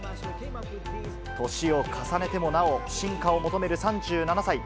年を重ねてもなお進化を求める３７歳。